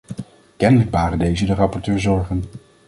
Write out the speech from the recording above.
Kennelijk baren deze de rapporteur zorgen.